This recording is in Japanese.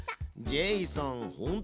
ジェイソン